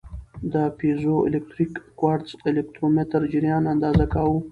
د پیزوالکتریک کوارتز الکترومتر جریان اندازه کاوه.